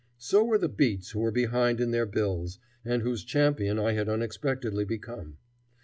So were the beats who were behind in their bills, and whose champion I had unexpectedly become.